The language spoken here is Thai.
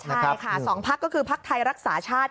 ใช่ค่ะสองภาคก็คือภาคไทยรักษาชาติ